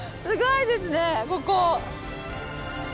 すごいですねここ。